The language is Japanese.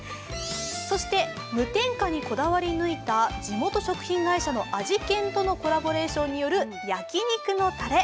そして無添加にこだわり抜いた地元食品会社の味研とのコラボレーションによる焼肉のたれ。